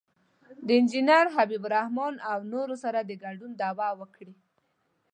د انجینر حبیب الرحمن او نورو سره د ګډون دعوه وکړي.